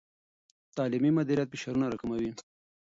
تعلیمي مدیریت فشارونه راکموي.